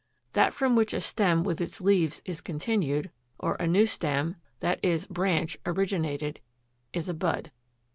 That from which a stem with its leaves is continued, or a new stem (i. e. branch) originated, is a BUD.